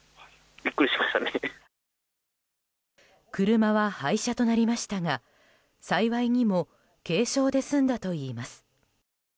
車は廃車となりましたが幸いにも軽傷で済んだといいます。